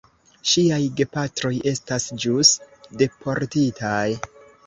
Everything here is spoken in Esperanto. Ŝiaj gepatroj estas ĵus deportitaj.